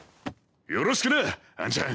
よろしくなあんちゃん！